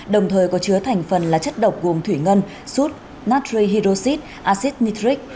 đồng thời có chứa thành phần là chất độc gồm thủy ngân sút natrihydroxid acid nitric